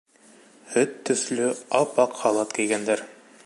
Һөт төҫлө ап-аҡ халат кейгәндәр.